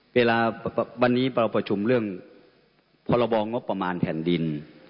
เวลาวันนี้เราประชุมเรื่องพรบงบประมาณแผ่นดิน